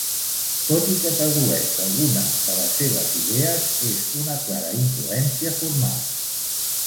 Tot i que tradueix alguna de les seves idees, és una clara influència formal.